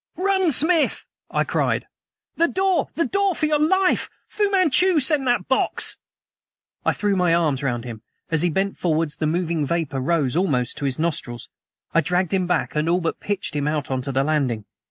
"RUN, SMITH!" I screamed. "The door! the door, for your life! Fu Manchu sent that box!" I threw my arms round him. As he bent forward the moving vapor rose almost to his nostrils. I dragged him back and all but pitched him out on to the landing.